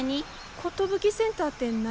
ことぶきセンターって何？